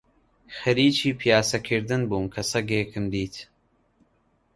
خەریکی پیاسە کردن بووم کە سەگێکم دیت